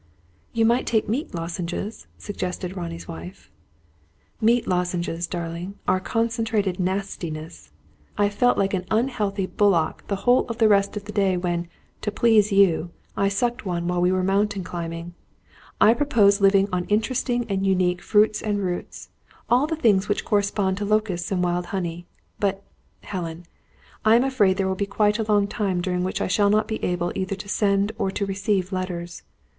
"You might take meat lozenges," suggested Ronnie's wife. "Meat lozenges, darling, are concentrated nastiness. I felt like an unhealthy bullock the whole of the rest of the day when, to please you, I sucked one while we were mountain climbing. I propose living on interesting and unique fruits and roots all the things which correspond to locusts and wild honey. But, Helen, I am afraid there will be quite a long time during which I shall not be able either to send or to receive letters.